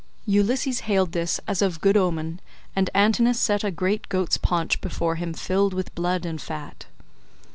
Ulysses hailed this as of good omen, and Antinous set a great goat's paunch before him filled with blood and fat.